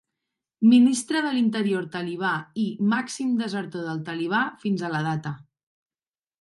Ministre de l'Interior talibà i "màxim desertor del talibà fins a la data".